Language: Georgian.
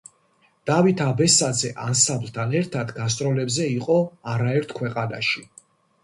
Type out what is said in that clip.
დავით აბესაძე ანსამბლთან ერთად გასტროლებზე იყო არაერთ ქვეყანაში.